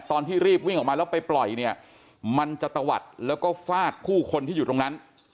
ตอนที่รีบวิ่งออกมาแล้วไปปล่อยเนี่ยมันจะตะวัดแล้วก็ฟาดผู้คนที่อยู่ตรงนั้น